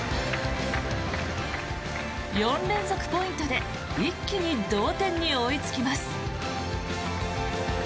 ４連続ポイントで一気に同点に追いつきます。